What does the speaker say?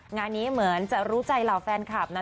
งานนี้เหมือนจะรู้ใจเหล่าแฟนคลับนะ